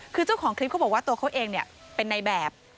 คือเจ้าของคลิปเขาบอกว่าตัวเขาเองเป็นในแบบ